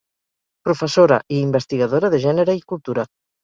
Professora i investigadora de gènere i cultura.